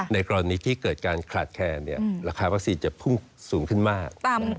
ในกรณีที่เกิดการขาดแคลนราคาวัคซีนจะพุ่งสูงขึ้นมาก